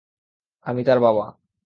আমি তার বাবা।